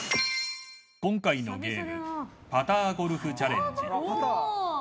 今回のゲームパターゴルフチャレンジ。